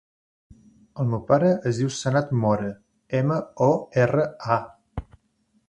El meu pare es diu Sanad Mora: ema, o, erra, a.